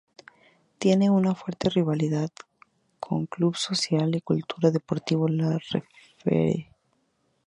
Tiene una fuerte rivalidad con Club Social y Cultural Deportivo Laferrere.